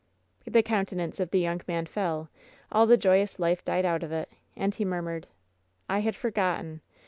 The countenance of the young man fell, all the joyous life died out of it, and he murmured: "I had forgotten!